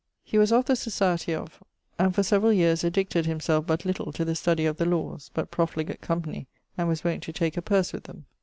He was of the Societie of ... and for severall addicted himselfe but little to the studie of the lawes, but profligate company, and was wont to tak a purse with them.